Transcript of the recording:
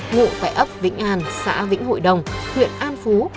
ngụ tại ấp vĩnh an xã vĩnh hội đồng huyện an phú